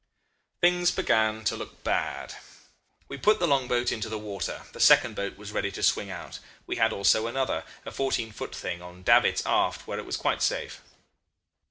"Things began to look bad. We put the long boat into the water. The second boat was ready to swing out. We had also another, a fourteen foot thing, on davits aft, where it was quite safe.